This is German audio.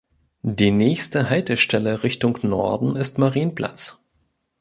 Die nächste Haltestelle Richtung Norden ist Marienplatz.